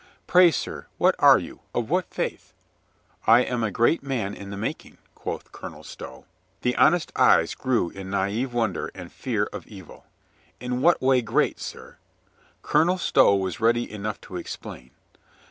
"Pray, sir, what are you ? Of what faith ?" "I am a great man in the making," quoth Colonel Stow. The honest eyes grew in na'ive wonder and fear of evil. "In what way great, sir?" Colonel Stow was ready enough to explain.